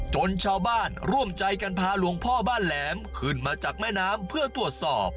ชาวบ้านร่วมใจกันพาหลวงพ่อบ้านแหลมขึ้นมาจากแม่น้ำเพื่อตรวจสอบ